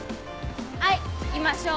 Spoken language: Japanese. はいいきましょう。